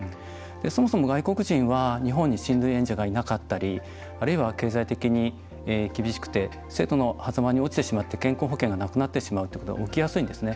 そもそも外国人は日本に親類縁者がいなかったりあるいは、経済的に厳しくて制度のはざまに落ちてしまって健康保険がなくなってしまうということが起きやすいんですね。